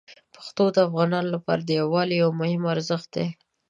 پښتو د افغانانو لپاره د یووالي یو مهم ارزښت دی.